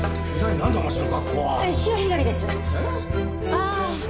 ああ。